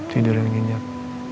tidur yang nginyak